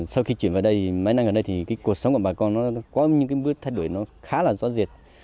sau khi chuyển vào đây mấy năm gần đây thì cuộc sống của bà con có những bước thay đổi khá là rõ rệt